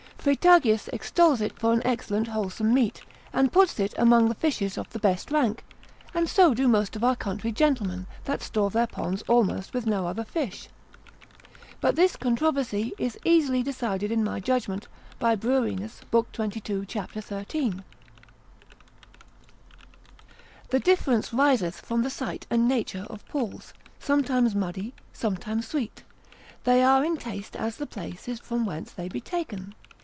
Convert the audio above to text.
Freitagius extols it for an excellent wholesome meat, and puts it amongst the fishes of the best rank; and so do most of our country gentlemen, that store their ponds almost with no other fish. But this controversy is easily decided, in my judgment, by Bruerinus, l. 22. c. 13. The difference riseth from the site and nature of pools, sometimes muddy, sometimes sweet; they are in taste as the place is from whence they be taken.